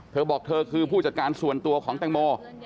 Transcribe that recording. เธอบอกเธอคือผู้จัดการส่วนตัวของแตงโม